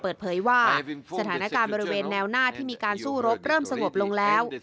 เปิดเผยว่าสถานการณ์บริเวณแนวหน้าที่มีการสู้รบเริ่มสงบลงแล้ว